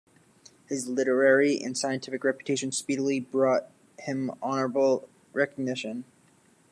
His literary and scientific reputation speedily brought him honorable recognition.